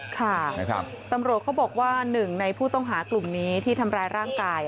ค่ะตำรวจเขาบอกว่าหนึ่งในผู้ต้องหากลุ่มนี้ที่ทำร้ายร่างกาย